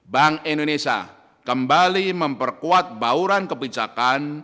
bank indonesia kembali memperkuat bauran kebijakan